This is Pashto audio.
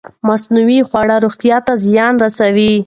مصنوعي خواړه روغتیا ته زیان رسوي.